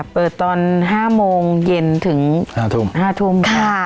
เปิดตอน๕โมงเย็นถึง๕ทุ่มค่ะ